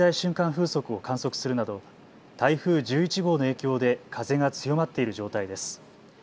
風速を観測するなど台風１１号の影響で風が強まっている状態です。